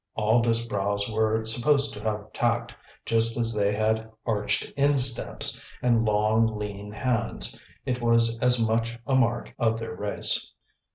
All Disbrowes were supposed to have tact, just as they had arched insteps, and long, lean hands. It was as much a mark of their race.